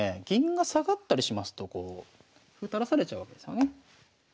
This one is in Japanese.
銀が下がったりしますと歩垂らされちゃうわけですよね。